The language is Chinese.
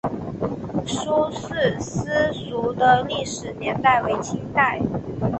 苏氏私塾的历史年代为清代。